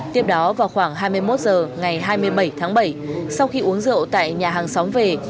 tiếp đó vào khoảng hai mươi một h ngày hai mươi bảy tháng bảy sau khi uống rượu tại nhà hàng xóm về